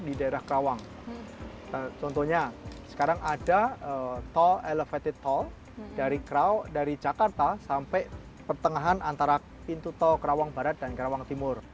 di karawang contohnya sekarang ada elevated toll dari jakarta sampai pertengahan antara pintu tol karawang barat dan karawang timur